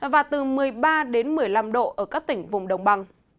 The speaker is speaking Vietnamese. và từ một mươi ba đến một mươi năm độ ở các tỉnh vùng đồng bằng